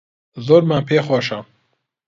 زۆرمان پێخۆشە